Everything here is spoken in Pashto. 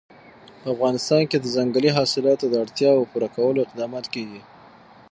په افغانستان کې د ځنګلي حاصلاتو د اړتیاوو پوره کولو اقدامات کېږي.